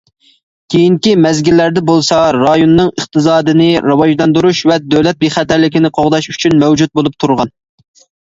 كېيىنكى مەزگىللەردە بولسا رايوننىڭ ئىقتىسادىنى راۋاجلاندۇرۇش، ۋە دۆلەت بىخەتەرلىكىنى قوغداش ئۈچۈن مەۋجۇت بولۇپ تۇرغان.